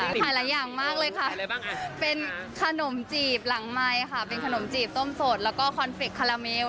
ขายหลายอย่างมากเลยค่ะเป็นขนมจีบหลังไมค์ค่ะเป็นขนมจีบต้มสดแล้วก็คอนเฟคคาราเมล